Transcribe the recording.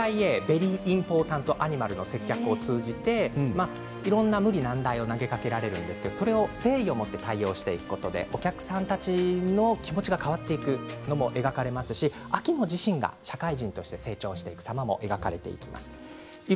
ベリー・インポータント・アニマルとの接客を通じて無理難題を投げかけられるんですが誠意をもって対応することによってお客さんたちの気持ちが変わっていくことが描かれていますし秋乃自身が社会人として成長する様が描かれています。